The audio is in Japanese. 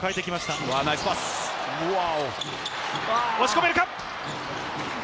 押し込めるか？